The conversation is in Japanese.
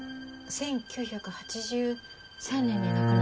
１９８３年に亡くなった。